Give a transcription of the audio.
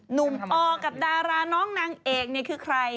หนุ่มอกับดาราน้องนางเอกเนี่ยคือใคร